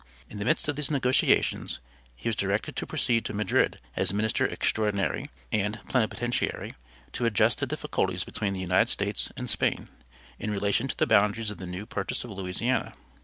In the midst of these negotiations he was directed to proceed to Madrid as Minister Extraordinary and Plenipotentiary to adjust the difficulties between the United States and Spain, in relation to the boundaries of the new purchase of Louisiana.